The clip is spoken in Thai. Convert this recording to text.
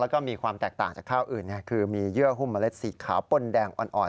แล้วก็มีความแตกต่างจากข้าวอื่นคือมีเยื่อหุ้มเมล็ดสีขาวป้นแดงอ่อน